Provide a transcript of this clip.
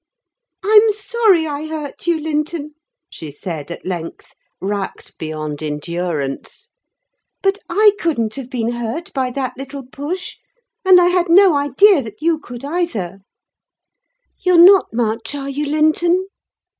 "I'm sorry I hurt you, Linton," she said at length, racked beyond endurance. "But I couldn't have been hurt by that little push, and I had no idea that you could, either: you're not much, are you, Linton?